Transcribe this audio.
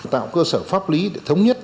tạo cơ sở pháp lý để thống nhất